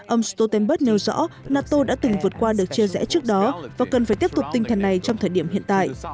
ông stoltenberg nêu rõ nato đã từng vượt qua được chia rẽ trước đó và cần phải tiếp tục tinh thần này trong thời điểm hiện tại